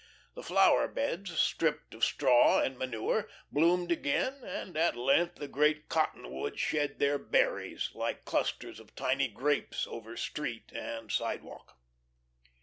The flower beds, stripped of straw and manure, bloomed again, and at length the great cottonwoods shed their berries, like clusters of tiny grapes, over street and sidewalk.